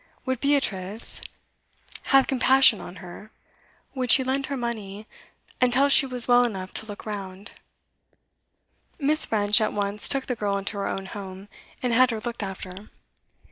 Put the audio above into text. Would Beatrice have compassion on her? Would she lend her money till she was well enough to 'look round'? Miss. French at once took the girl into her own home, and had her looked after.